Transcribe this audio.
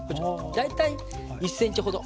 大体１ｃｍほど。